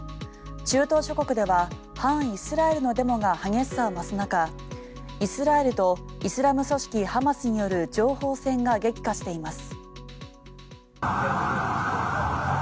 中東諸国では反イスラエルのデモが激しさを増す中イスラエルとイスラム組織ハマスによる情報戦が激化しています。